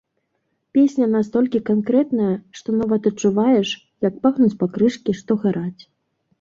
Песня настолькі канкрэтная, што нават адчуваеш, як пахнуць пакрышкі, што гараць.